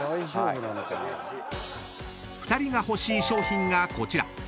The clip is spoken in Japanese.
［２人が欲しい商品がこちら］